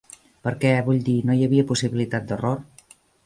Perquè, vull dir, no hi havia possibilitat d"error.